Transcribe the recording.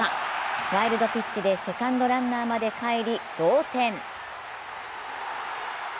ワイルドピッチでセカンドランナーまで帰り、同点。